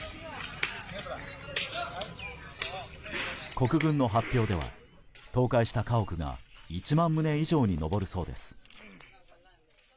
国軍の発表では、倒壊した家屋が１万棟以上に上るそうです。